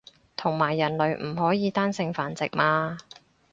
同埋人類唔可以單性繁殖嘛